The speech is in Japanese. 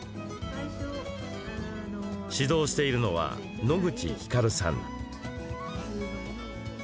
指導しているのは野口光さん。